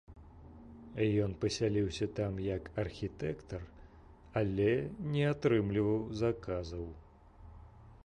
Ён пасяліўся там як архітэктар, але не атрымліваў заказаў.